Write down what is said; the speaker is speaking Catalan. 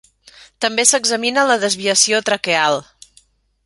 També s'examina la desviació traqueal.